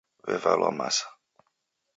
W'evalwa masa.